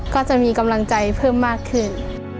ก็จะมีกำลังใจเพิ่มมากขึ้น